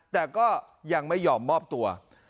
แต่ก็ยังไม่ยอมมอบตัว